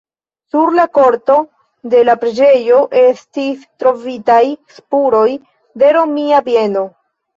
Sur la korto de la preĝejo estis trovitaj spuroj de romia bieno.